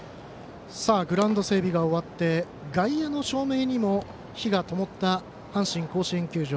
グラウンド整備が終わって外野の照明にも灯がともった阪神甲子園球場。